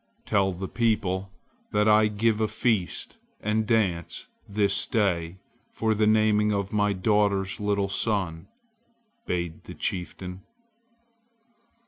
"Tell the people that I give a feast and dance this day for the naming of my daughter's little son," bade the chieftain.